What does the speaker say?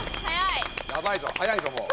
やばいぞ早いぞもう。